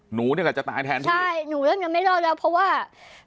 หนูเนี้ยก็จะตายแทนพี่ใช่หนูเริ่มจะไม่รอดแล้วเพราะว่า